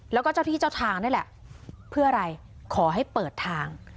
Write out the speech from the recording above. แล้วก็เจ้าที่เจ้าทางนี่แหละเพื่ออะไรขอให้เปิดทาง